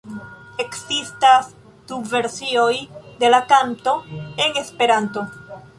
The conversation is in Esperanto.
Ekzistas du versioj de la kanto en Esperanto.